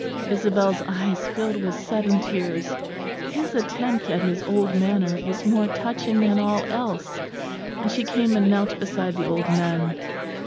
Isabel's eyes filled with sudden tears, his attempt at his old manner was more touching than all else; and she came and knelt beside the old nun.